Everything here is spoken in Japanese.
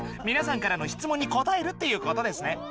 みなさんからのしつもんに答えるっていうことですね。